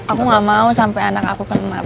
aku gak mau sampai anak aku kena